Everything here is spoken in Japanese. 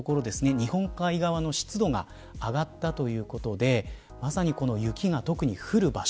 日本海側の湿度が上がったということでまさに、雪が特に降る場所